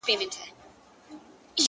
گراني شاعري زه هم داسي يمه ـ